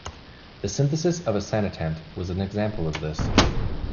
The synthesis of osanetant was an example of this.